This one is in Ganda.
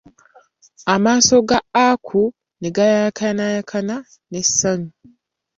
Amaaso ga Aku negayakayakana ne ssanyu.